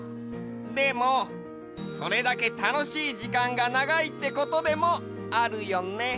でもそれだけたのしい時間がながいってことでもあるよね。